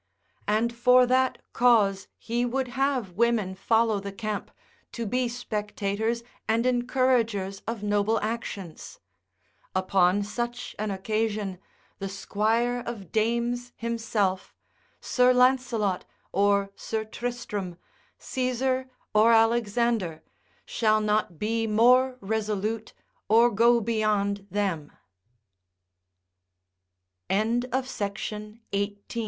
And for that cause he would have women follow the camp, to be spectators and encouragers of noble actions: upon such an occasion, the Squire of Dames himself, Sir Lancelot or Sir Tristram, Caesar, or Alexander, shall not be more resolute